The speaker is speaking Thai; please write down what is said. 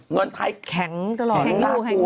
เงินไทยแข็งตลอดแข็งรู้แล้ว